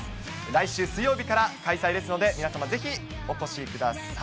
来週水曜日から開催ですので、皆様ぜひお越しください。